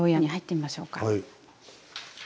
はい。